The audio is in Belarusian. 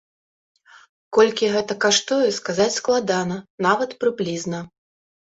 Колькі гэта каштуе, сказаць складана, нават прыблізна.